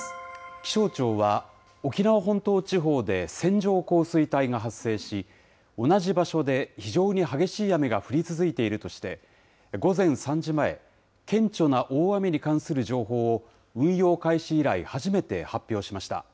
気象庁は、沖縄本島地方で線状降水帯が発生し、同じ場所で非常に激しい雨が降り続いているとして、午前３時前、顕著な大雨に関する情報を、運用開始以来、初めて発表しました。